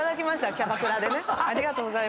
キャバクラでね。